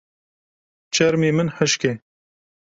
Çermê min hişk e.